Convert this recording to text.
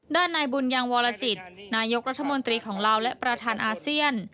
ด้านนายบุญยังวรจิตนายกรัฐมนตรีของลาวและประธานอาเซียน